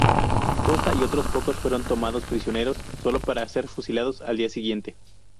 Costa y otros pocos fueron tomados prisioneros, sólo para ser fusilados al día siguiente.